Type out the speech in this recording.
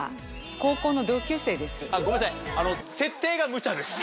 ごめんなさい。